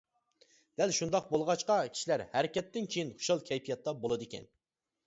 دەل شۇنداق بولغاچقا كىشىلەر ھەرىكەتتىن كىيىن خۇشال كەيپىياتتا بولىدىكەن.